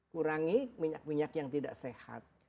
kurangi minyak minyak yang tidak sehat